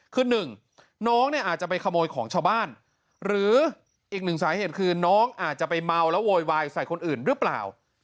คือหนึ่งน้องเนี่ยอาจจะไปขโมยของชาวบ้านหรืออีกหนึ่งสาเหตุคือน้องอาจจะไปเมาแล้วโวยวายใส่คนอื่นหรือเปล่า